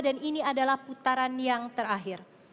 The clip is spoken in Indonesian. dan ini adalah putaran yang terakhir